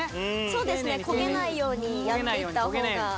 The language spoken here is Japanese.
そうですね焦げないようにやって行ったほうがはい。